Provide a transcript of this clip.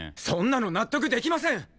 そんなの納得できません！